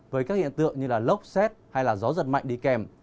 với các hiện tượng như lốc xét hay là gió giật mạnh đi kèm